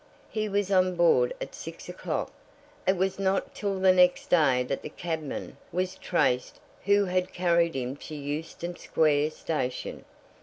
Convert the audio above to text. He was on board at six o'clock, and it was not till the next day that the cabman was traced who had carried him to Euston Square Station.